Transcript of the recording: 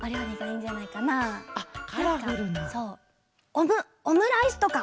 オムオムライスとか！